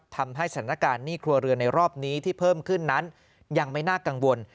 ทำให้สถานการณ์หนี้ครัวเรือนในรอบนี้ที่เพิ่มขึ้นนั้นยังไม่น่ากังวล